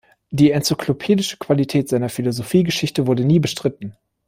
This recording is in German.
Die enzyklopädische Qualität seiner Philosophiegeschichte wurde nie bestritten.